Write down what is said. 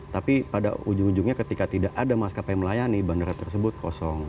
tapi pada ujung ujungnya ketika tidak ada maskapai melayani bandara tersebut kosong